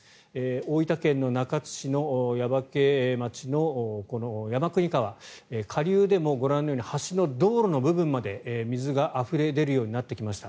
大分県の中津市の耶馬渓町の山国川下流でも、ご覧のように橋の道路の部分まで水があふれ出るようになってきました。